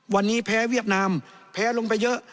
วันนี้แพ้เวียดนามแพ้ลงไปเยอะ